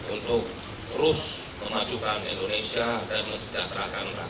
untuk terus memajukan indonesia dan mensejahterakan rakyat